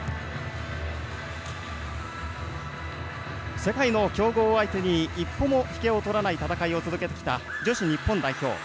世界の強豪相手に一歩も引けを取らない戦いを続けてきた女子日本代表。